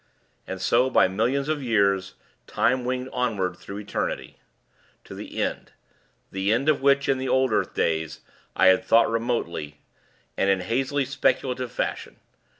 And so, by millions of years, time winged onward through eternity, to the end the end, of which, in the old earth days, I had thought remotely, and in hazily speculative fashion.